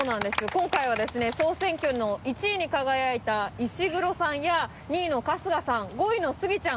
今回はですね総選挙の１位に輝いた石黒さんや２位の春日さん５位のスギちゃん。